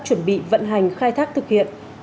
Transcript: chuẩn bị vận hành khai thác thực hiện tại hiện trường dự án